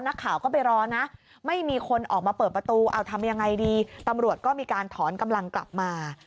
นักข่าวก็ไปรอนะไม่มีคนออกมาเปิดประตูเอาทำยังไงดีตำรวจก็มีการถอนกำลังกลับมา